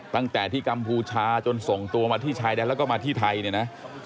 ตั้งแต่ที่กัมพูชาจนส่งตัวมาที่ชายแดนแล้วก็มาที่ไทยเนี่ยนะ